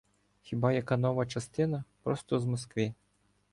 Хіба яка нова частина, просто з Москви.